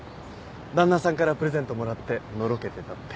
旦那さんからプレゼントもらってのろけてたって。